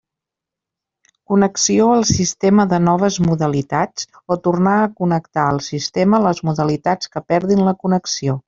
Connexió al sistema de noves modalitats, o tornar a connectar al sistema les modalitats que perdin la connexió.